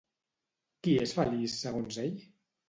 Qui és feliç segons ell?